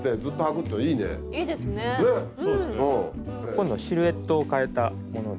今度シルエットを変えたもので。